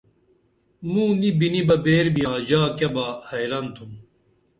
موں نی بنے بہ بیربِیاں ژا کیہ با حیرن تُھم